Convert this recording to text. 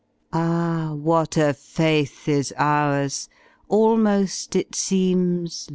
80 Jhy what a faith is ours {almoB^ it seems.